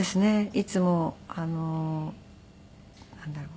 いつもなんだろう。